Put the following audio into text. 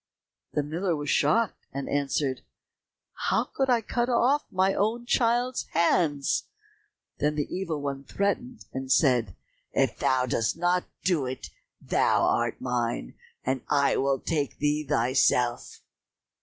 The miller was shocked and answered, "How could I cut off my own child's hands?" Then the Evil one threatened him and said, "If thou dost not do it thou art mine, and I will take thee thyself."